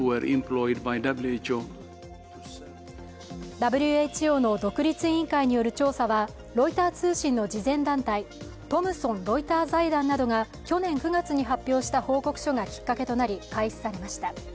ＷＨＯの独立委員会による調査はロイター通信の慈善団体、トムソン・ロイター財団などが去年９月に発表した報告書がきっかけとなり、開始されました。